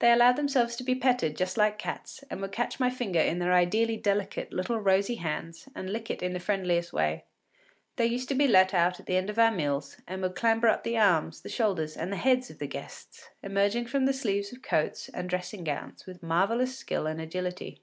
They allowed themselves to be petted just like cats, and would catch my finger in their ideally delicate little rosy hands, and lick it in the friendliest way. They used to be let out at the end of our meals, and would clamber up the arms, the shoulders, and the heads of the guests, emerging from the sleeves of coats and dressing gowns with marvellous skill and agility.